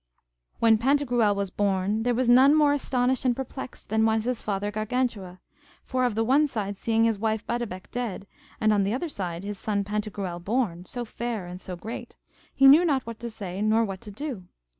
When Pantagruel was born, there was none more astonished and perplexed than was his father Gargantua; for of the one side seeing his wife Badebec dead, and on the other side his son Pantagruel born, so fair and so great, he knew not what to say nor what to do.